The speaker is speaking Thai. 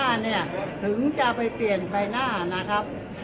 อันนี้คือ๑จานที่คุณคุณค่อยอยู่ด้านข้างข้างนั้น